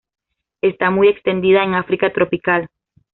Está muy extendida en África tropical.